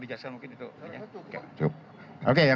itu pak kabin